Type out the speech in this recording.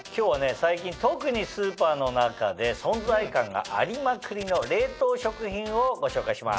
最近特にスーパーの中で存在感がありまくりの冷凍食品をご紹介します。